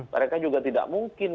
mereka juga tidak mungkin